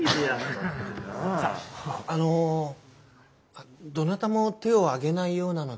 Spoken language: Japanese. ああのどなたも手を挙げないようなので。